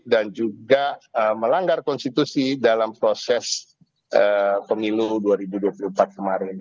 dan juga melanggar konstitusi dalam proses pemilu dua ribu dua puluh empat kemarin